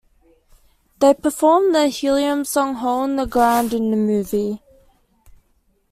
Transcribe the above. They performed the Helium song "Hole in the Ground" in the movie.